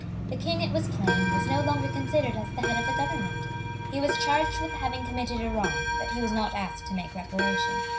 The King, it was plain, was no longer considered as the head of the government. He was charged with having committed a wrong; but he was not asked to make reparation.